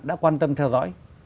đã quan tâm theo dõi